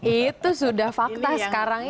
itu sudah fakta sekarang